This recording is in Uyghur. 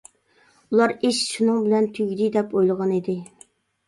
ئۇلار ئىش شۇنىڭ بىلەن تۈگىدى دەپ ئويلىغان ئىدى.